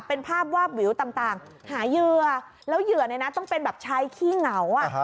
เป็นภาพวาบวิวต่างหาเหยื่อแล้วเหยื่อเนี่ยนะต้องเป็นแบบชายขี้เหงา